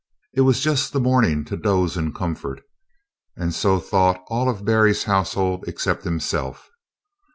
It was just the morning to doze in comfort, and so thought all of Berry's household except himself.